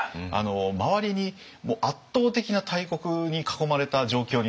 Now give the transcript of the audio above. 周りに圧倒的な大国に囲まれた状況になってるんです。